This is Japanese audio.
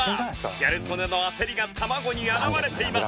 ギャル曽根の焦りが卵に表れています。